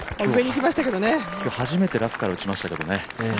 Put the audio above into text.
今日初めてラフから打ちましたけどね。